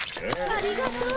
ありがとう！